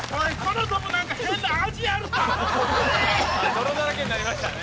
泥だらけになりましたね。